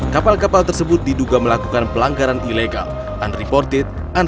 kapal kapal tersebut diduga melakukan pelanggaran ilegal and reported and